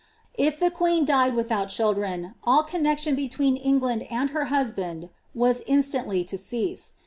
If the queen died without children, til connexion between Enilaid and her husband was instantly to cease.